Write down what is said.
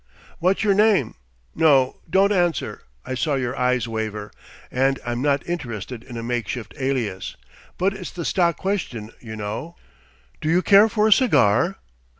"What's your name? No don't answer! I saw your eyes waver, and I'm not interested in a makeshift alias. But it's the stock question, you know.... Do you care for a cigar?"